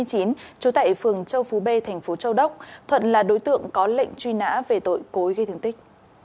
trú tại phường châu phú b thành phố châu đốc thuận là đối tượng có lệnh truy nã về tội cối gây thương tích